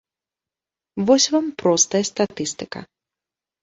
Вось вам простая статыстыка.